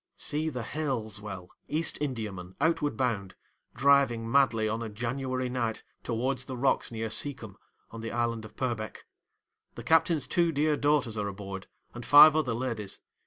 See the Halsewell, East Indiaman outward bound, driving madly on a January night towards the rocks near Seacombe, on the island of Purbeck! The captain's two dear daughters are aboard, and five other ladies.